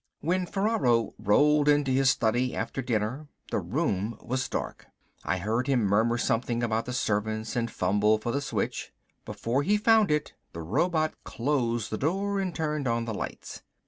When Ferraro rolled into his study after dinner the room was dark. I heard him murmur something about the servants and fumble for the switch. Before he found it, the robot closed the door and turned on the lights.